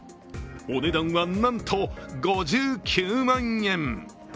お値段は、なんと５９万円。